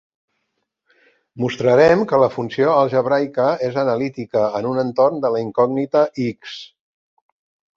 Mostrarem que la funció algebraica és analítica en un entorn de la incògnita "x".